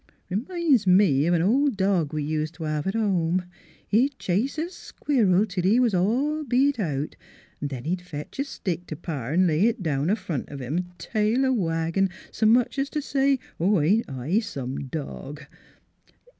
... R'minds me of an old dog we ust t' hev' at home : he'd chase a squirrel till he was all beat out; then he'd fetch a stick t' Pa 'n' lay it down afront o' him, tail a waggin' s' much 's t' say, 'Ain't I some dog?'